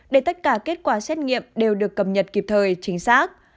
để tất cả kết quả xét nghiệm đều được cập nhật kịp thời chính xác